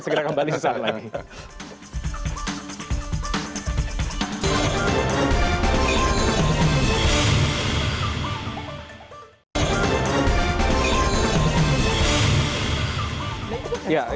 segera kembali sesuai lagi